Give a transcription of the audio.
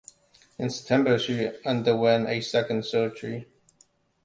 In September, she underwent a second surgery.